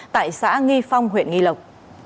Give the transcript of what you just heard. tại xã nghi phong huyện nghi lộc